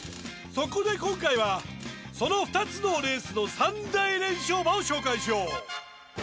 そこで今回はその２つのレースの。を紹介しよう。